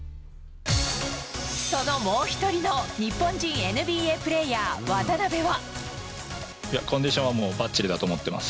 そのもう１人の日本人ＮＢＡプレーヤー渡邊は。